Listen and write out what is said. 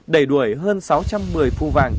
đẩy đuổi hơn sáu trăm một mươi phu vàng